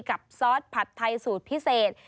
ซอสผัดไทยสูตรพิเศษ